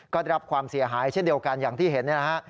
ก็ได้รับความเสียหายเช่นเดียวกันอย่างที่เห็นเนี่ยนะฮะ